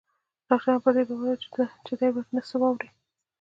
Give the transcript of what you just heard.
ډاکتران پر دې باور وو چې دی به نه څه واوري.